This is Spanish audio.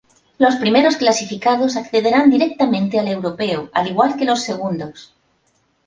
Los primeros clasificados accederán directamente al europeo, al igual que los segundos.